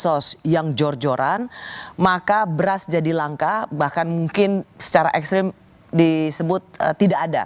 kalau yang jor joran maka beras jadi langka bahkan mungkin secara ekstrim disebut tidak ada